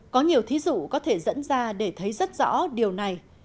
có nhiều thí dụ có thể dẫn ra để thấy rất rõ điều này